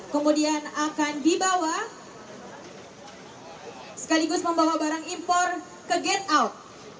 kemudian akan dibawa sekaligus membawa barang impor ke gen out